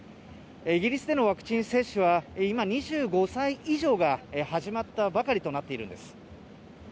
イギリスでのワクチン接種は今、２５歳以上が始まったばかりとなっているんです。